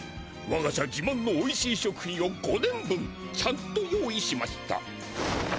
わが社じまんのおいしい食品を５年分ちゃんと用意しました。